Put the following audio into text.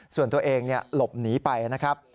ส่วนตัวเองหลบหนีไปนะครับ